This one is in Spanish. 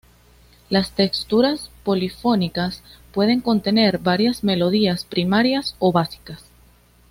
Las texturas polifónicas pueden contener varias melodías primarias o básicas.